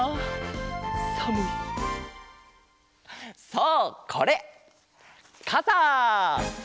そうこれかさ！